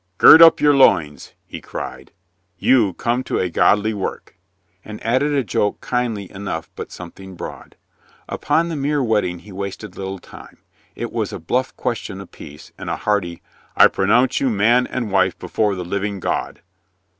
"Gird up your loins," he cried. "You come to a godly work," and added a joke kindly enough but something broad. Upon the mere wedding he wasted Httls time. It was a bluff question apiece and a hearty "I pro nounce you man and wife before the living God!"